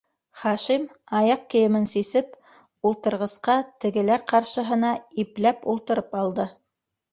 Хашим, аяҡ кейемен сисеп, ултырғысҡа, тегеләр ҡаршыһына, ипләп ултырып алды: